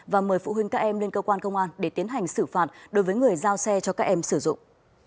và mời phụ huynh các em lên cơ quan công an để tiến hành xử phạt đối với người giao xe cho các em sử dụng